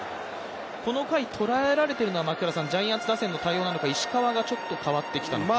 この回、捉えられているのはジャイアンツ打線の対応なのか、石川がちょっと変わってきたのか。